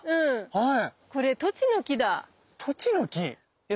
はい。